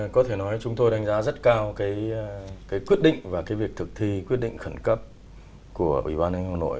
có thể nói chúng tôi đánh giá rất cao quyết định và việc thực thi quyết định khẩn cấp của ủy ban anh hồng nội